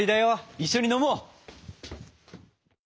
一緒に飲もう！